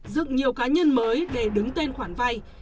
dựng nhiều cá nhân mới để đứng tên khoản vay